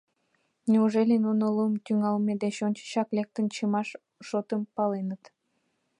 Неужели нуно лум тӱҥалме деч ончычак лектын чымаш шотым паленыт?